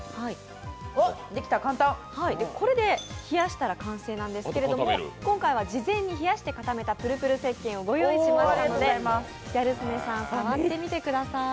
これで冷やしたら完成なんですけれども、今回は事前に冷やして固めたプルプルせっけんをご用意しましたのでギャル曽根さん、触ってみてください。